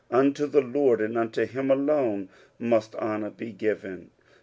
" Unto ttte Lord," and unto him alone, must honour be given.